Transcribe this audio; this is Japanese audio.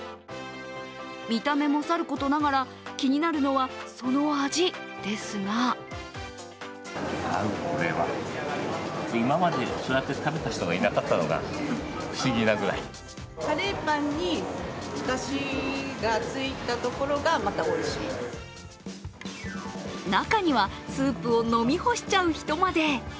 見た目もさることながら気になるのはその味ですが中にはスープを飲み干しちゃう人まで。